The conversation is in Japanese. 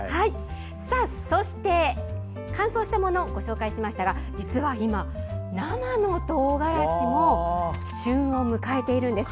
そして乾燥したものをご紹介しましたが実は今、生のトウガラシも旬を迎えているんです。